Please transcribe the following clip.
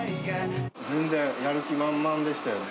全然やる気満々でしたよね。